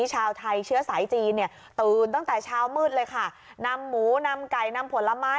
ชาวไทยเชื้อสายจีนเนี่ยตื่นตั้งแต่เช้ามืดเลยค่ะนำหมูนำไก่นำผลไม้